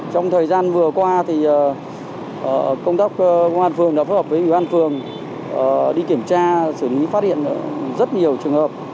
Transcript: trong thời gian vừa qua công tác công an phường đã phối hợp với ủy ban phường đi kiểm tra xử lý phát hiện rất nhiều trường hợp